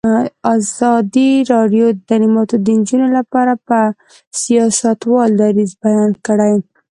ازادي راډیو د تعلیمات د نجونو لپاره په اړه د سیاستوالو دریځ بیان کړی.